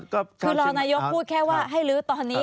คือรอนายกพูดแค่ว่าให้ลื้อตอนนี้